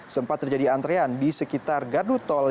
sempat terjadi antrean di sekitar gardu tol